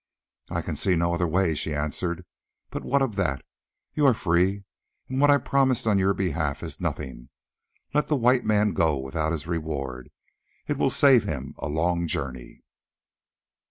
"I can see no other way," she answered. "But what of that? You are free, and what I promised on your behalf is nothing. Let the White Man go without his reward, it will save him a long journey."